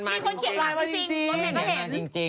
มีคนเขียนไลน์มาจริง